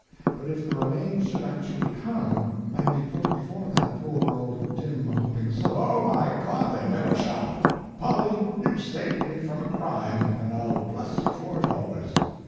But if the remains should actually come, and be put before that poor old dim hoping soul—" "Oh, my God, they never shall! Polly, you've saved me from a crime, and I'll bless you for it always.